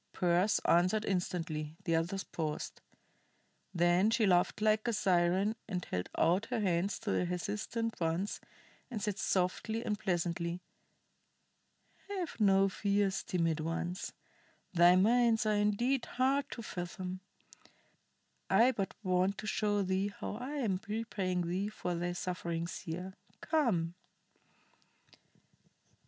Pearse answered instantly; the others paused. Then she laughed like a siren and held out her hands to the hesitant ones, and said softly and pleasantly: "Have no fears, timid ones. Thy minds are indeed hard to fathom. I but want to show thee how I am repaying thee for thy sufferings here. Come."